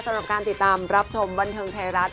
สำหรับการติดตามรับชมบันเทิงไทยรัฐ